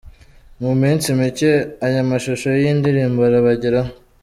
Mu minsi mike aya mashusho y'iyi ndirimbo arabageraho.